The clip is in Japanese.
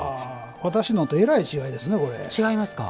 私のと、えらい違いですね。